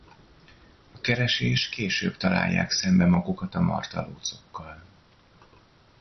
A keresés később találják szembe magukat a Martalócokkal.